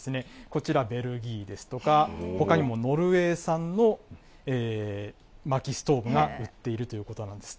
こちらベルギーですとか、ほかにもノルウェー産のまきストーブが売っているということなんです。